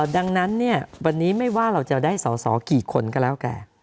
ดังนั้นวันนี้ไม่ว่าเราจะได้สอสอกี่คนก็แล้วแต่